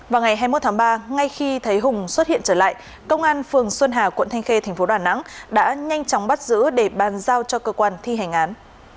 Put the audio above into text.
vào ngày hai mươi một tháng ba ngay khi thấy hùng xuất hiện trở lại công an phường xuân hà quận thanh khê thành phố đà nẵng đã nhanh chóng bắt giữ để bàn giao cho cơ quan thi hành án